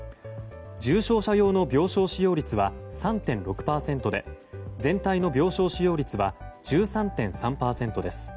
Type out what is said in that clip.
重症者用の病床使用率は３．６％で全体の病床使用率は１３．３％です。